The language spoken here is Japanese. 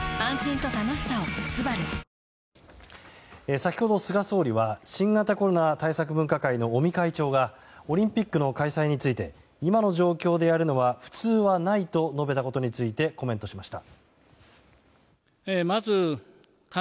先ほど菅総理は新型コロナ対策分科会の尾身会長がオリンピックの開催について今の状況でやるのは普通はないと述べたことについてコメントしました。